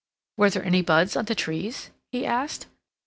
"Were there any buds on the trees?" he asked.